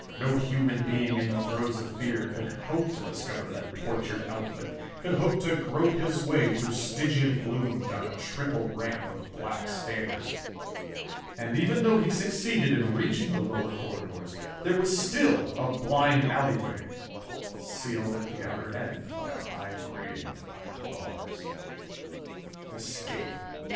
No human being in the throes of fear could hope to discover that tortured outlet, could hope to grope his way through Stygian gloom down a triple ramp of black stairs. And even though he succeeded in reaching the lower corridors, there was still a blind alley way, sealed at the outer end by a high grating of iron bars.... Escape!